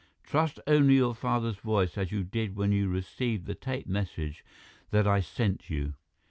Trust only your father's voice as you did when you received the taped message that I sent you."